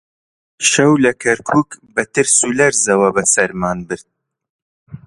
شەو لە کەرکووک بە ترس و لەرزەوە بەسەرمان برد